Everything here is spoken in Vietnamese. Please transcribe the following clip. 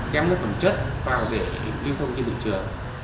kém nước phẩm chất vào để lưu thông trên thị trường